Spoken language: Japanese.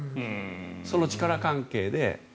その力関係で。